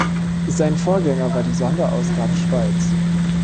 Sein Vorgänger war die «Sonderausgabe Schweiz».